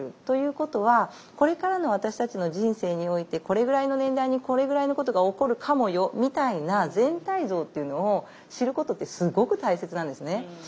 ということはこれからの私たちの人生においてこれぐらいの年代にこれぐらいのことが起こるかもよみたいな全体像というのを知ることってすごく大切なんですね。